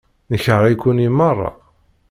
Nekṛeh-iken i meṛṛa.